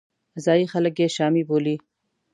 ځایي خلک یې شامي بولي.